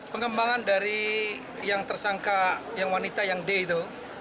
pengembangan dari yang tersangka yang wanita yang d itu